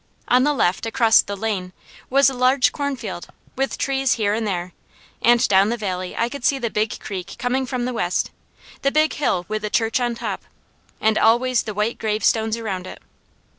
On the left, across the lane, was a large cornfield, with trees here and there, and down the valley I could see the Big Creek coming from the west, the Big Hill with the church on top, and always the white gravestones around it.